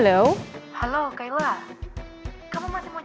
pohonlah aku sendiri kakaurin untuk kaos ku